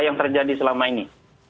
yang terjadi selama ini